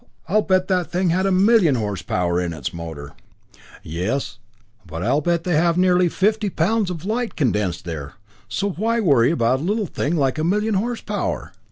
I'll bet that thing had a million horsepower in its motor!" "Yes but I'll bet they have nearly fifty pounds of light condensed there so why worry about a little thing like a million horsepower?